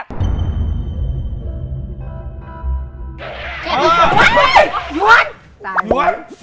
แกดี